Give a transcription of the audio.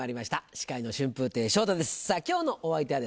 司会の春風亭昇太です